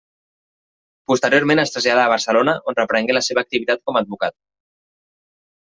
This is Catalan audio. Posteriorment es traslladà a Barcelona, on reprengué la seva activitat com a advocat.